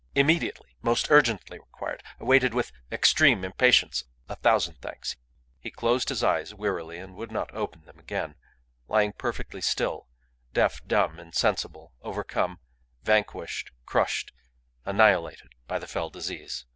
Immediately. Most urgently required. Awaited with extreme impatience. A thousand thanks. He closed his eyes wearily and would not open them again, lying perfectly still, deaf, dumb, insensible, overcome, vanquished, crushed, annihilated by the fell disease.